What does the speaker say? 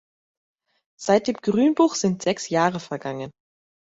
Seit dem Grünbuch sind sechs Jahre vergangen.